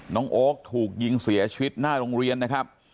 โอ๊คถูกยิงเสียชีวิตหน้าโรงเรียนนะครับ